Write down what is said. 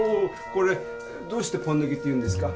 これどうして「ポンヌキ」っていうんですか？